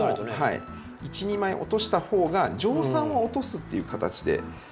１２枚落としたほうが蒸散を落とすっていう形で。